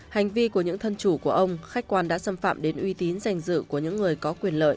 hành vi của những thân chủ của ông khách quan đã xâm phạm đến uy tín danh dự của những người có quyền lợi